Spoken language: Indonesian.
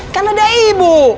kan ada ibu